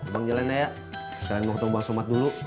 bang jalan dah ya jalan mau ketemu bang somad dulu